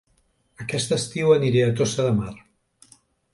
Aquest estiu aniré a Tossa de Mar